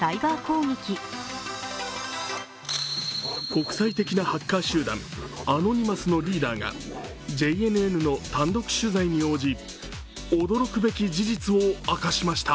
国際的なハッカー集団・アノニマスのリーダーがＪＮＮの単独取材に応じ、驚くべき事実を明かしました。